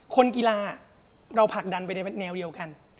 คนกีฬาเราผลักดันไปในแนวเดียวกัน